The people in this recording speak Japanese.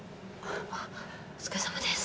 お疲れさまです。